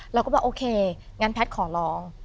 เราก็บอกโอเคงั้นแพทย์ขอร้อง